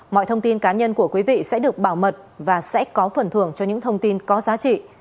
mọi thông tin cá nhân của quý vị sẽ được bảo mật và sẽ có phần thưởng cho những thông tin có giá trị